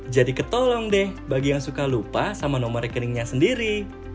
jadi ketolong deh bagi yang suka lupa sama nomor rekeningnya sendiri